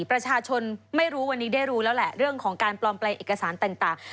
ประชาชนไม่รู้วันนี้ได้รู้แล้วแหละเรื่องของการปลอมแปลงเอกสารต่าง